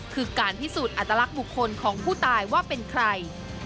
คือการพิสูจน์อัตลักษณ์บุคคลของผู้ตายว่าเป็นใคร